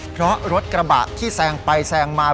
เพราะรถกระบะที่แซงไปแซงมา